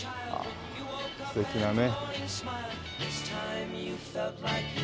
素敵なね。